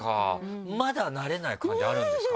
まだ慣れない感じあるんですか？